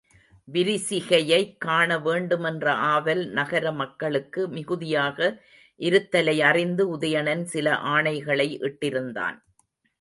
விரிசிகையைக் காண வேண்டுமென்ற ஆவல் நகர மக்களுக்கு மிகுதியாக இருத்தலை அறிந்து உதயணன் சில ஆணைகளை இட்டிருந்தான்.